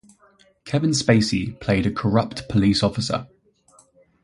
Kevin Spacey played a corrupt police officer.